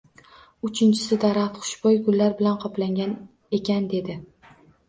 Uchinchisi Daraxt xushbo`y gullar bilan qoplangan ekan dedi